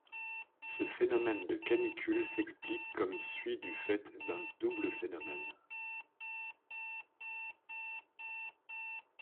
Ce phénomène de canicule s'explique comme suit du fait d'un double phénomène.